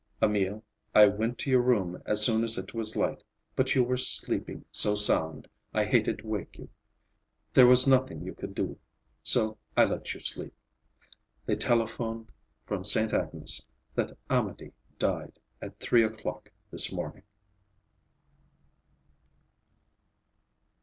"Emil, I went to your room as soon as it was light, but you were sleeping so sound I hated to wake you. There was nothing you could do, so I let you sleep. They telephoned from Sainte Agnes that Amédée died at three o'clock this morning."